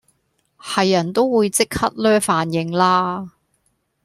係人都會即刻 𦧲 飯應啦